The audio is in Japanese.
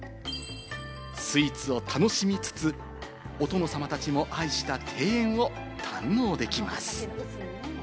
スイーツを楽しみつつ、お殿様たちも愛した庭園を堪能できます。